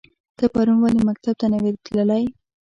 ته پرون ولی مکتب ته نه وی تللی؟